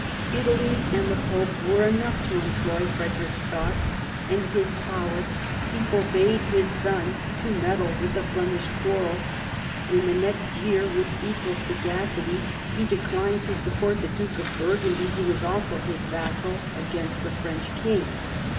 Italy and the pope were enough to employ Frederic's thoughts and his power : he forbade his son to meddle with the Flemish quarrel. In the next year, with equal sagacity, he declined to support the duke of Burgundy, who was also his vassal, against the French king.